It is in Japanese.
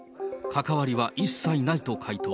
関わりは一切ないと回答。